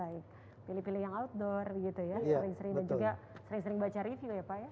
baik pilih pilih yang outdoor gitu ya sering sering dan juga sering sering baca review ya pak ya